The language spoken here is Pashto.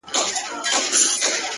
o نور دي دسترگو په كتاب كي؛